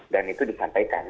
dan itu disampaikan